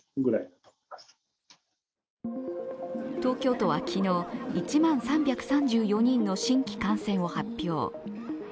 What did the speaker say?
東京都は昨日１万３３４人の新規感染を発表。